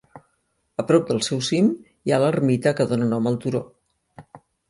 A prop del seu cim hi ha l'ermita que dóna nom al turó.